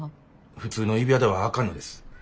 普通の指輪ではあかんのです。